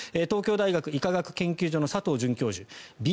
東京大学医科学研究所の佐藤准教授。